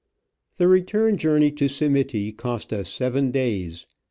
The return journey to Simiti cost us seven days.